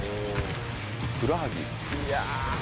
ふくらはぎ。